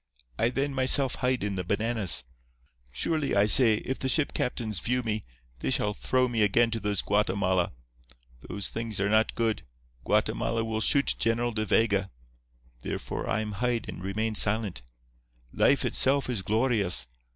I then myself hide in the bananas. Surely, I say, if the ship captains view me, they shall throw me again to those Guatemala. Those things are not good. Guatemala will shoot General De Vega. Therefore, I am hide and remain silent. Life itself is glorious.